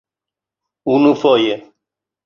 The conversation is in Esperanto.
unufoje